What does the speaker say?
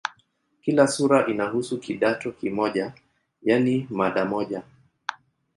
Kila sura inahusu "kidato" kimoja, yaani mada moja.